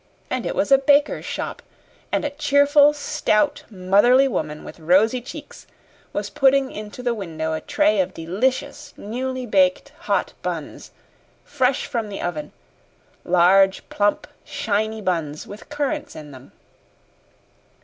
And it was a baker's shop, and a cheerful, stout, motherly woman with rosy cheeks was putting into the window a tray of delicious newly baked hot buns, fresh from the oven large, plump, shiny buns, with currants in them.